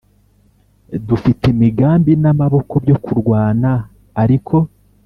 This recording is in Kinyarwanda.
Dufite imigambi n amaboko byo kurwana ariko